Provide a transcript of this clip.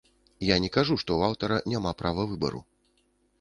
Я не кажу, што ў аўтара няма права выбару.